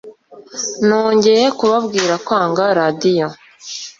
Nongeye kubabwira kwanga radio.